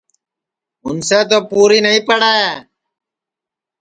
اِنسے تو پوری نائی پڑے